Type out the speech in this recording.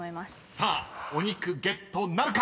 ［さあお肉ゲットなるか